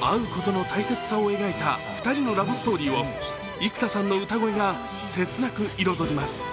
会うことの大切さを描いた２人のラブストーリーを生田さんの歌声が切なく彩ります。